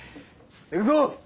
行くぞ！